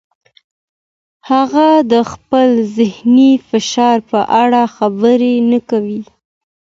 هغه د خپل ذهني فشار په اړه خبرې نه کوي.